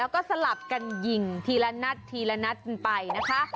ก็สลับกันยิงทีละนัดไปนะคะ